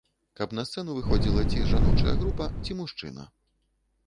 Каб на сцэну выходзіла ці жаночая група, ці мужчына.